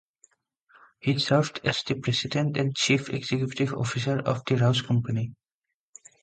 He served as the president and chief executive officer of The Rouse Company.